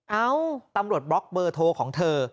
เอ้าตำรวจบล็อกเบอร์โทรของเธอ